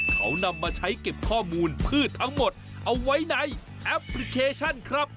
เขานำมาใช้เก็บข้อมูลพืชทั้งหมดเอาไว้ในแอปพลิเคชันครับ